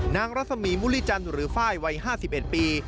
รัศมีมุริจันทร์หรือไฟล์วัย๕๑ปี